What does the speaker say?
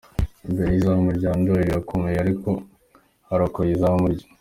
imbere y’izamu rya Ndori birakomeye ariko arokoye izamu rye.